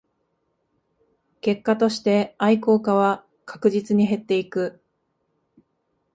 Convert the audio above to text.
結果として愛好家は確実に減っていく